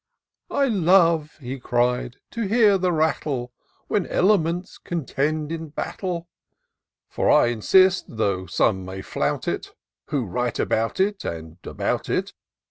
I love," he cried, " to hear the rattle, When elements contend in battle ; For I insist, though some may flout it, Who write about it, and about it.